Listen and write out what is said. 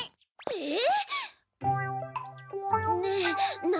えっ？